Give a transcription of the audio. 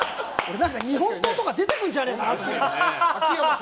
日本刀とか出てくるんじゃないかなって。